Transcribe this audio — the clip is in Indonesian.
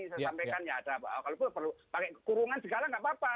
saya sampaikan ya ada kalaupun perlu pakai kurungan segala nggak apa apa